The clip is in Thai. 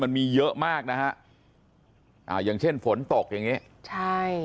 มันมีเยอะมากนะฮะอ่าอย่างเช่นฝนตกอย่างงี้ใช่